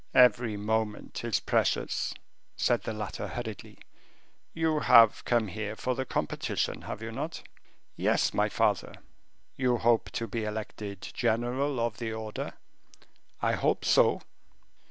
"Every moment is precious," said the latter, hurriedly. "You have come here for the competition, have you not?" "Yes, my father." "You hope to be elected general of the order?" "I hope so."